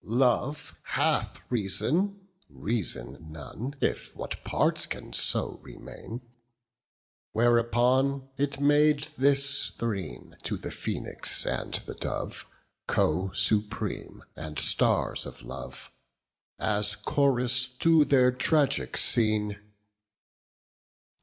Love hath reason, reason none If what parts can so remain.' Whereupon it made this threne To the phoenix and the dove, 50 Co supremes and stars of love, As chorus to their tragic scene.